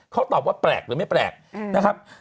เขาตอบว่าแปลกหรือไม่แปลกนะครับ